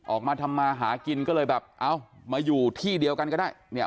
ออกมาทำมาหากินก็เลยแบบเอ้ามาอยู่ที่เดียวกันก็ได้เนี่ย